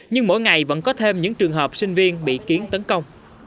nhưng mỗi ngày vẫn có thêm những trường hợp sinh viên bị kiến tấn công